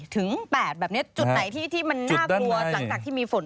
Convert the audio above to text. จุดไหนที่มันน่ากลัวหลังจากที่มีฝนตก